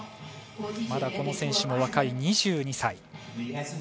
まだこの選手も若い２２歳。